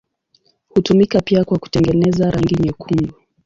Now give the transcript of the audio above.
Hutumika pia kwa kutengeneza rangi nyekundu.